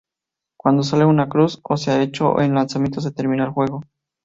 Cuando sale una cruz o se han hecho n lanzamientos se termina el juego.